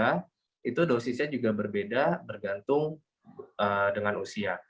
lalu vitamin d tiga itu dosisnya juga berbeda bergantung dengan usia